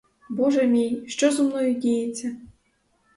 Боже мій, що зо мною діється!